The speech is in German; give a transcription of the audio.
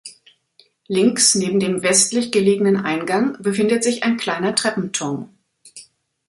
Links neben dem westlich gelegenen Eingang befindet sich ein kleiner Treppenturm.